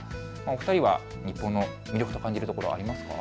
お二人は日本の魅力と感じるところ、ありますか。